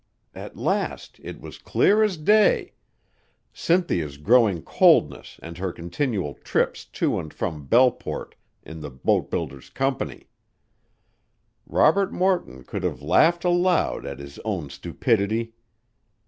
At last it was clear as day, Cynthia's growing coldness and her continual trips to and from Belleport in the boatbuilder's company. Robert Morton could have laughed aloud at his own stupidity.